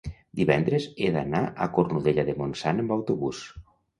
divendres he d'anar a Cornudella de Montsant amb autobús.